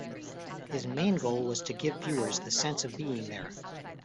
His main goal was to give viewers the sense of being there.